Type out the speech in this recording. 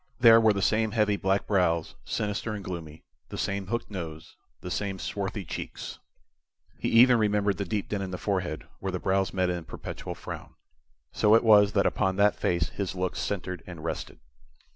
There were the same heavy black brows, sinister and gloomy, the same hooked nose, the same swarthy cheeks. He even remembered the deep dent in the forehead, where the brows met in perpetual frown. So it was that upon that face his looks centred and rested.